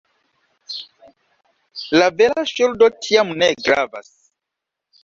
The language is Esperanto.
La vera ŝuldo tiam ne gravas.